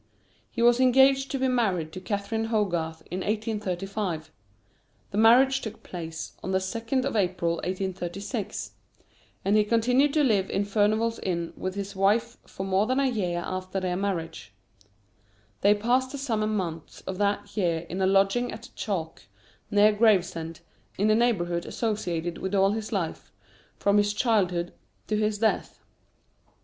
He was engaged to be married to Catherine Hogarth in 1835 the marriage took place on the 2nd April, 1836; and he continued to live in Furnival's Inn with his wife for more than a year after their marriage. They passed the summer months of that year in a lodging at Chalk, near Gravesend, in the neighbourhood associated with all his life, from his childhood to his death.